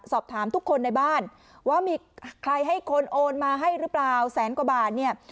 สอบถามทุกคนในบ้านว่ามีใครให้คนโอนมาให้หรือเปล่าแสนกว่าบาทเนี่ย